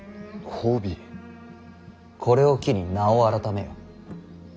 これを機に名を改めよ。